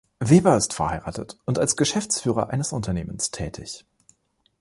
Weber ist verheiratet und als Geschäftsführer eines Unternehmens tätig.